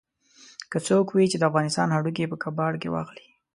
که څوک وي چې د افغانستان هډوکي په کباړ کې واخلي.